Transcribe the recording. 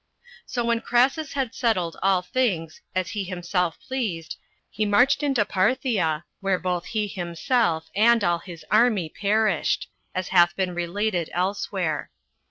3. So when Crassus had settled all things as he himself pleased, he marched into Parthia, where both he himself and all his army perished, as hath been related elsewhere.